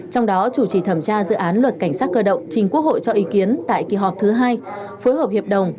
trong đó chủ trì thẩm tra dự án luật cảnh sát cơ động trình quốc hội cho ý kiến tại kỳ họp thứ hai phối hợp hiệp đồng